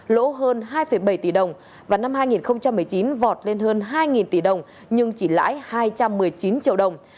lỗ hơn hai bảy tỷ đồng và năm hai nghìn một mươi chín vọt lên hơn hai tỷ đồng nhưng chỉ lãi hai trăm một mươi chín triệu đồng